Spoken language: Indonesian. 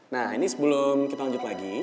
nah ini sebelum kita lanjut lagi